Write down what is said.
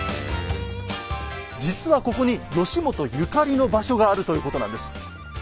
実はここに義元ゆかりの場所があるということなんです。